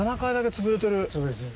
潰れてる。